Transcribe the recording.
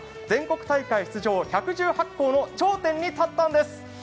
全国大会出場１１８校の頂点に立ったのです。